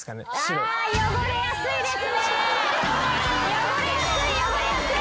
汚れやすい汚れやすい。